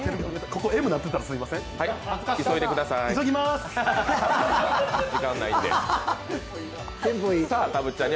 ここ、Ｍになってたらすみません。